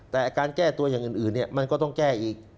แต่การแก้ตัวอย่างอื่นมันก็ต้องแก้อีก